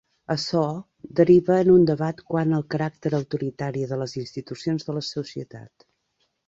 Açò derivà en un debat quant al caràcter autoritari de les institucions de la societat.